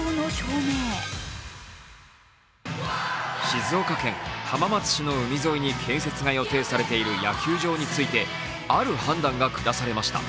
静岡県浜松市の海沿いに建設が予定されている野球場についてある判断が下されました。